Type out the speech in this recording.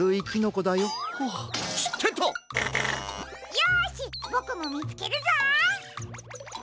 よしぼくもみつけるぞ！